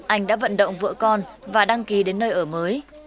anh đã vận động vợ con và đăng ký đến nơi ở mới